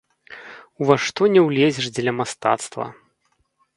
Ува што не ўлезеш дзеля мастацтва!